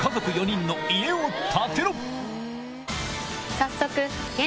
早速。